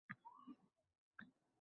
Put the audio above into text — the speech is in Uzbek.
Kun peshin bo‘lib qoldi